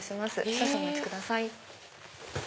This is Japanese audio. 少々お待ちください。